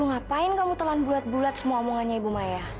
ngapain kamu telan bulat bulat semua omongannya ibu maya